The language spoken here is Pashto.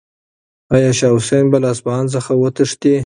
آیا شاه حسین به له اصفهان څخه وتښتي؟